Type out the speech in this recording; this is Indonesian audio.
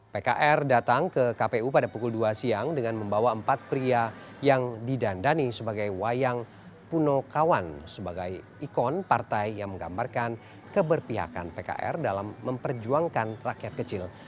pkr datang ke kpu pada pukul dua siang dengan membawa empat pria yang didandani sebagai wayang punokawan sebagai ikon partai yang menggambarkan keberpihakan pkr dalam memperjuangkan rakyat kecil